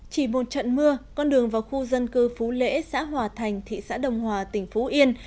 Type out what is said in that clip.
chỉ một trận mưa con đường vào khu dân cư phú lễ xã hòa thành thị xã đồng hòa tỉnh phú yên